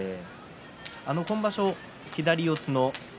今場所、左四つの宝